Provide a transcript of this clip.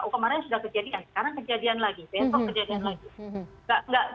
oh kemarin sudah kejadian sekarang kejadian lagi besok kejadian lagi